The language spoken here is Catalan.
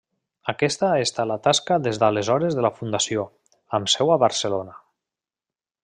Aquesta ha estat la tasca des d'aleshores de la Fundació, amb seu a Barcelona.